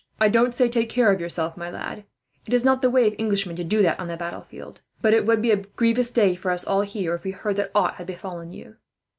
I don't say take care of yourself, my lad it is not the way of Englishmen to do that, on the battlefield but it would be a grievous day for us all, here, if we heard that aught had befallen you."